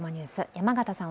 山形さん